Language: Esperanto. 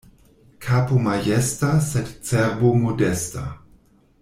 Kapo majesta, sed cerbo modesta.